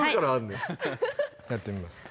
はいやってみますか